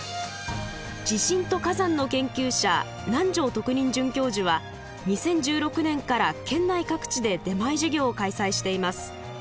地震と火山の研究者楠城特任准教授は２０１６年から県内各地で出前授業を開催しています。